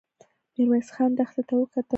ميرويس خان دښتې ته وکتل.